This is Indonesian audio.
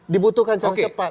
dibutuhkan cara cepat